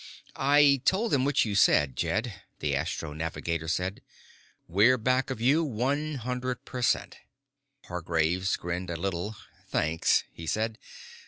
"I told them what you said, Jed," the astro navigator said. "We're back of you one hundred per cent." Hargraves grinned a little. "Thanks," he said.